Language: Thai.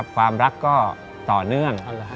ความรักก็ต่อเนื่อง